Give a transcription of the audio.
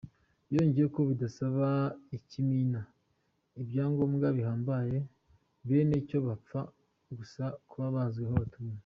Yongeyeho ko bidasaba ikimina ibyangombwa bihambaye, bene cyo bapfa gusa kuba bazwi, aho batuye.